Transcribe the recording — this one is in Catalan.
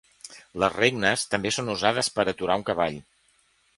Les regnes també són usades per a aturar un cavall.